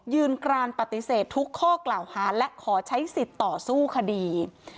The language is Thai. กรานปฏิเสธทุกข้อกล่าวหาและขอใช้สิทธิ์ต่อสู้คดี